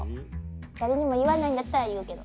誰にも言わないんだったら言うけど。